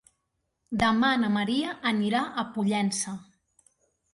Demà na Maria anirà a Pollença.